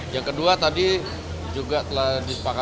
yang kedua tadi juga telah disepakati